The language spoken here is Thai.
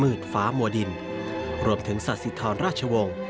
มืดฟ้ามัวดินรวมถึงศาษิธรรมราชวงศ์